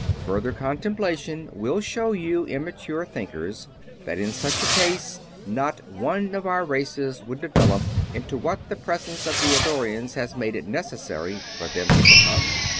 Further contemplation will show you immature thinkers that in such a case not one of our races would develop into what the presence of the Eddorians has made it necessary for them to become.